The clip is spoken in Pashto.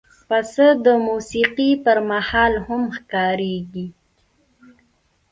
پسه د موسیقۍ پر مهال هم ښکارېږي.